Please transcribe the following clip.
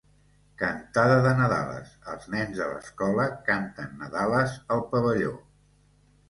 Cantada de Nadales, Els nens de l'escola canten nadales al Pavelló.